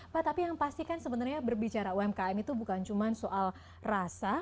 pak tapi yang pasti kan sebenarnya berbicara umkm itu bukan cuma soal rasa